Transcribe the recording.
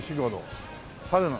「春の」。